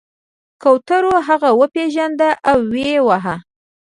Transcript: کوترو هغه وپیژند او ویې واهه.